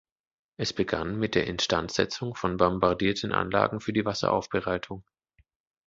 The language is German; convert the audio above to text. Es begann mit der Instandsetzung von bombardierten Anlagen für die Wasseraufbereitung.